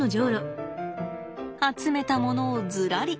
集めたものをずらり。